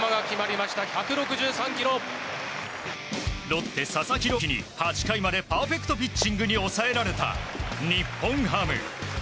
ロッテ、佐々木朗希に８回までパーフェクトピッチングに抑えられた日本ハム。